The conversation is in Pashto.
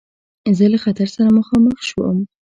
زه له خطر سره مخامخ شوم.